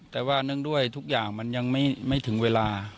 แต่ว่าเนื่องด้วยทุกอย่างมันยังไม่ถึงเวลา